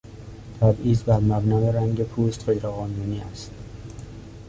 تبعیض برمبنای رنگ پوست غیر قانونی است.